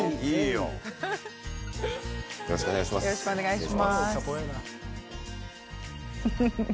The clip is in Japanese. よろしくお願いします。